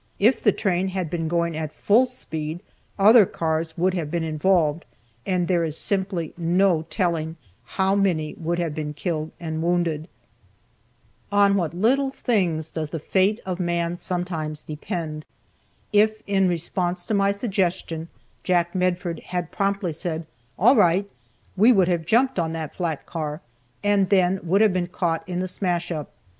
If the train had been going at full speed, other cars would have been involved, and there is simply no telling how many would then have been killed and wounded. On what little things does the fate of man sometimes depend! If in response to my suggestion Jack Medford had promptly said, "All right," we would have jumped on that flat car, and then would have been caught in the smash up.